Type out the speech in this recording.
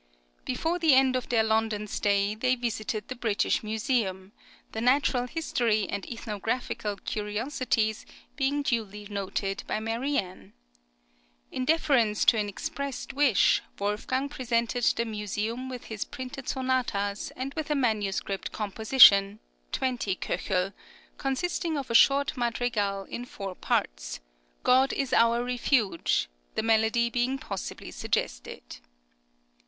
Before the end of their London stay they visited the British Museum, the natural history and ethnographical curiosities being duly noted by Marianne. In deference to an expressed wish, Wolfgang presented the Museum with his printed sonatas and with a manuscript composition (20 K.), consisting of a short madrigal in four parts, "God is our Refuge," the melody being possibly suggested.